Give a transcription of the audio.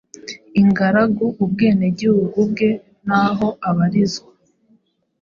ingaragu), ubwenegihugu bwe n’aho abarizwa.